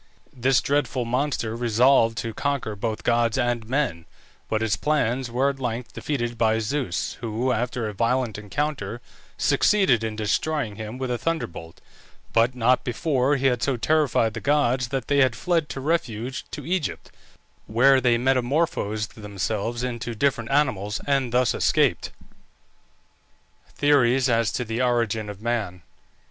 This dreadful monster resolved to conquer both gods and men, but his plans were at length defeated by Zeus, who, after a violent encounter, succeeded in destroying him with a thunderbolt, but not before he had so terrified the gods that they had fled for refuge to Egypt, where they metamorphosed themselves into different animals and thus escaped. THEORIES AS TO THE ORIGIN OF MAN.